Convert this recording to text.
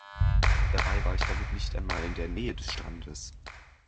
Dabei war ich damit nicht einmal in der Nähe des Strandes.